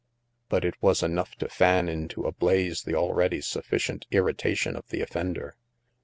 But it was enough to fan into a blaze the already sufficient irritation of the offender.